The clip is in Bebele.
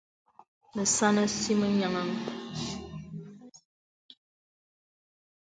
Mə sàn ɔ̀sì mə nyàŋ.